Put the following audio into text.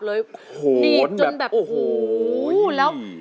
ดีจนแบบโอ้โห